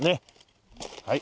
はい！